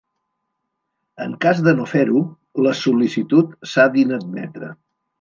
En cas de no fer-ho, la sol·licitud s'ha d'inadmetre.